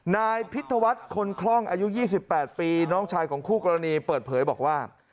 นายพิธวัฒน์คนคล่องอายุ๒๘ปีน้องชายของคู่กรณีเปิดเผยบอกว่า